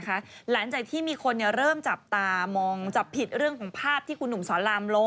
แต่ฉันนี่สอนลำเอามาตักบาททุกเช้านะเท่า